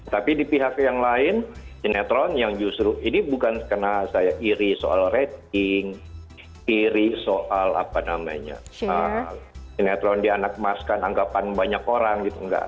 tapi di pihak yang lain sinetron yang justru ini bukan karena saya iri soal rating iri soal apa namanya sinetron dianakmaskan anggapan banyak orang gitu enggak